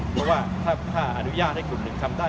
เพราะว่าถ้าอนุญาตให้กลุ่มหนึ่งทำได้